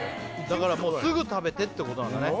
だからすぐ食べてってことだね